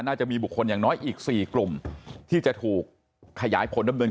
น่าจะมีบุคคลอย่างน้อยอีก๔กลุ่มที่จะถูกขยายผลดำเนิน